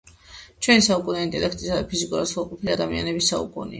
ჩვენი საუკუნე ინტელექტისა და ფიზიკურად სრულყოფილი ადამიანების საუკუნეა.